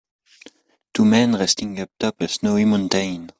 Two men resting uptop a snowy mountain.